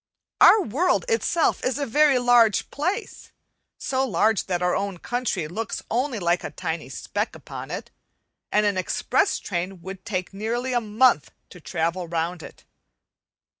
Our world itself is a very large place, so large that our own country looks only like a tiny speck upon it, and an express train would take nearly a month to travel round it.